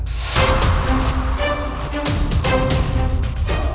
tidak ada apa apa